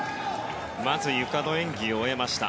まずゆかの演技を終えました。